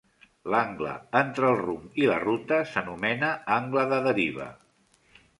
L'angle entre el rumb i la ruta s'anomena angle de deriva.